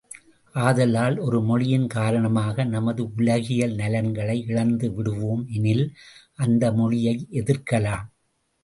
ஆதலால், ஒரு மொழியின் காரணமாக நமது உலகியல் நலன்களை இழந்து விடுவோம் எனில் அந்த மொழியை எதிர்க்கலாம்.